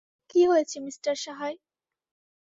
কী হয়েছে মিস্টার সাহায়?